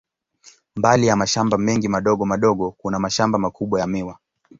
Mbali ya mashamba mengi madogo madogo, kuna mashamba makubwa ya miwa.